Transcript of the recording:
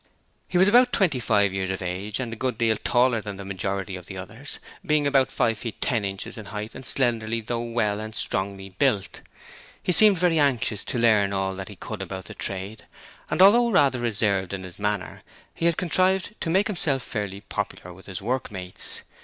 He was about twenty five years of age and a good deal taller than the majority of the others, being about five feet ten inches in height and slenderly though well and strongly built. He seemed very anxious to learn all that he could about the trade, and although rather reserved in his manner, he had contrived to make himself fairly popular with his workmates.